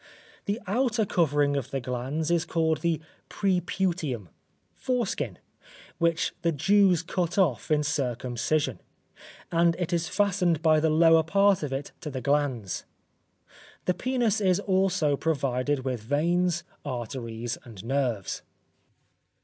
The outer covering of the glans is called the preputium (foreskin), which the Jews cut off in circumcision, and it is fastened by the lower part of it to the glans. The penis is also provided with veins, arteries and nerves.